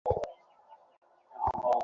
না, আমি নিরাপদ না।